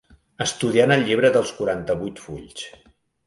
Estudiar en el llibre dels quaranta-vuit fulls.